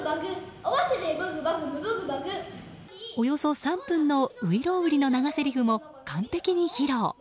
およそ３分の「外郎売」の長せりふも完璧に披露。